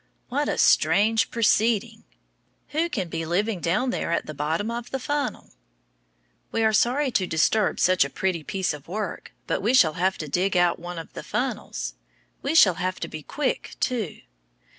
What a strange proceeding! Who can be living down there at the bottom of the funnel? We are sorry to disturb such a pretty piece of work, but we shall have to dig out one of the funnels. We shall have to be quick, too.